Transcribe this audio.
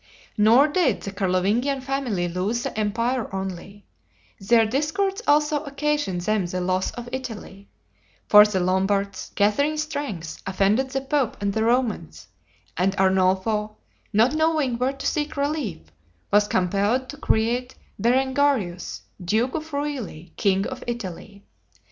Nor did the Carlovingian family lose the empire only; their discords also occasioned them the loss of Italy; for the Lombards, gathering strength, offended the pope and the Romans, and Arnolfo, not knowing where to seek relief, was compelled to create Berengarius, duke of Fruili, king of Italy.